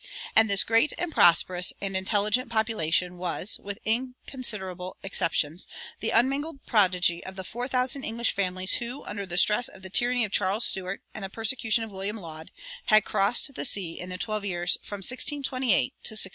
And this great and prosperous and intelligent population was, with inconsiderable exceptions, the unmingled progeny of the four thousand English families who, under stress of the tyranny of Charles Stuart and the persecution of William Laud, had crossed the sea in the twelve years from 1628 to 1640.